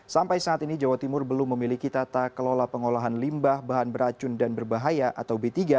sampai saat ini jawa timur belum memiliki tata kelola pengolahan limbah bahan beracun dan berbahaya atau b tiga